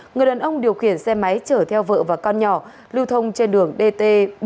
người nân ông điều khiển xe máy chở theo vợ và con nhỏ lưu thông trên đường dt bảy trăm bốn mươi một